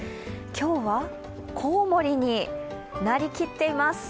今日は、コウモリになりきっています。